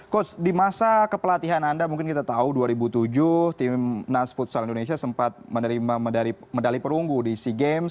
coach di masa kepelatihan anda mungkin kita tahu dua ribu tujuh tim nas futsal indonesia sempat menerima medali perunggu di sea games